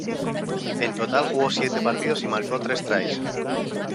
En total jugó siete partidos y marcó tres tries.